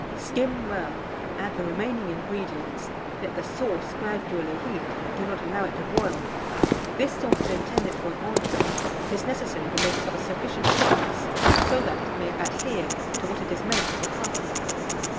Skim well, add the remaining ingredients, let the sauce gradually heat, but do not allow it to boil. If this sauce is intended for an entrée, it is necessary to make it of a sufficient thickness, so that it may adhere to what it is meant to cover.